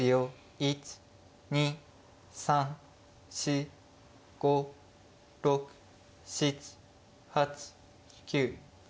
１２３４５６７８９。